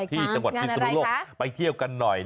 ที่จังหวัดพิศนุโลกไปเที่ยวกันหน่อย